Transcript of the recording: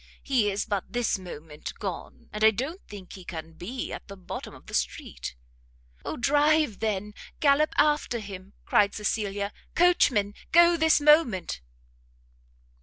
He is but this moment gone, and I don't think he can be at the bottom of the street." "Oh drive then, gallop after him!" cried Cecilia; "coachman! go this moment!"